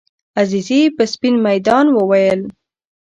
عزیزي په سپین میدان وویل.